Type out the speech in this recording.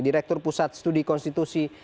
direktur pusat studi konstitusi